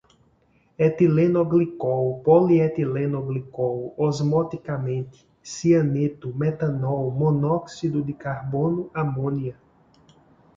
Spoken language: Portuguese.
etilenoglicol, polietilenoglicol, osmoticamente, cianeto, metanol, monóxido de carbono, amônia